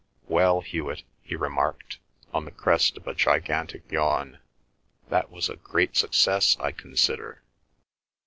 "Well, Hewet," he remarked, on the crest of a gigantic yawn, "that was a great success, I consider."